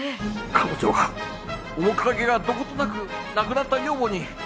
彼女は面影がどことなく亡くなった女房に似てるんだよ。